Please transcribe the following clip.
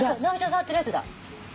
触ってるやつだ。